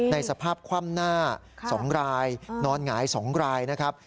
ในสภาพคว่ำหน้า๒รายนอนหงาย๒รายนะครับ